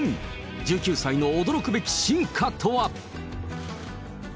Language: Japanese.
１９歳の驚くべき進化とは。